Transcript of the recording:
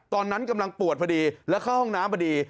ตอนนั้นกำลังปวดพอดีแล้วเข้าห้องน้ำพอดี